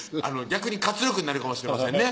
逆に活力になるかもしれませんね